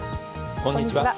こんにちは。